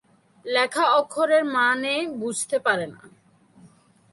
লেখা অক্ষরের মানে বুঝতে পারে না।